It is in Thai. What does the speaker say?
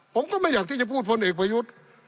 ผมก็ไม่อยากที่จะพูดพลเอกประยุทธ์